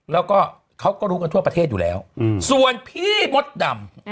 แล้วก็เขาก็รู้กันทั่วประเทศอยู่แล้วส่วนพี่มดดำ